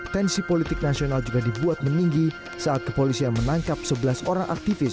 tensi politik nasional juga dibuat meninggi saat kepolisian menangkap sebelas orang aktivis